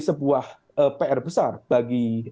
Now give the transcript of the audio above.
sebuah pr besar bagi